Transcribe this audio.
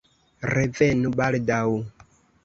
Revenu baldaŭ!